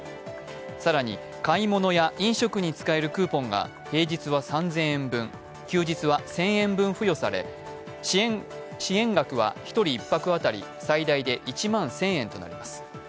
更に、買い物や飲食に使えるクーポンが平日は３０００円分、休日は１０００円分付与され支援額は１人１泊当たり最大で１万１０００円となります。